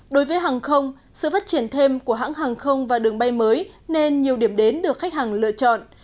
đối với hàng không sự phát triển thêm của hãng hàng không và đường bay mới nên nhiều điểm đến được khách hàng lựa chọn